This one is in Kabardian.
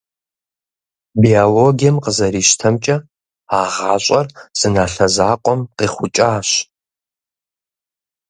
Биологием къызэрищтэмкӀэ, а гъащӀэр зы налъэ закъуэм къихъукӀащ.